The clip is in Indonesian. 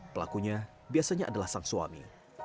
pelakunya biasanya adalah sang suami